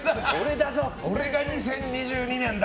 俺が２０２２年だ！